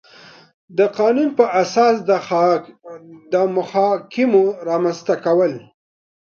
د قانون پر اساس د محاکمو رامنځ ته کول